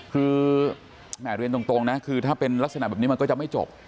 คือแหม่เรียนตรงนะคือถ้าเป็นลักษณะแบบนี้มันก็จะไม่จบ